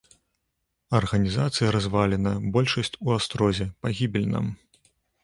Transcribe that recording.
Арганізацыя развалена, большасць у астрозе, пагібель нам.